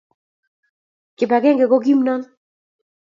kibag'engenge ko kimnon